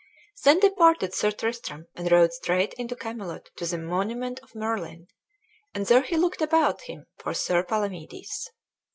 Then departed Sir Tristram, and rode straight into Camelot to the monument of Merlin, and there he looked about him for Sir Palamedes.